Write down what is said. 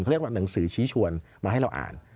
เขาเรียกว่าหนังสือชี้ชวนมาให้เราอ่าน